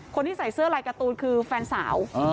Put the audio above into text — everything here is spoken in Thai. คนที่ใส่เสื้อลายการ์ตูนคือแฟนสาว